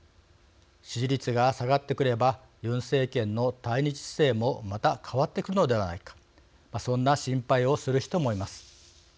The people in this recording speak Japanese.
支持率が下がってくればユン政権の対日姿勢もまた変わってくのではないかそんな心配をする人もいます。